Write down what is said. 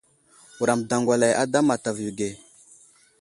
Wuram daŋgwalay ada a matavo yo age.